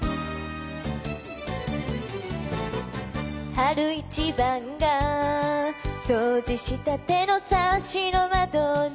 「春一番が掃除したてのサッシの窓に」